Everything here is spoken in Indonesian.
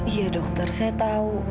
iya dokter saya tahu